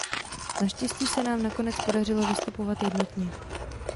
Naštěstí se nám nakonec podařilo vystupovat jednotně.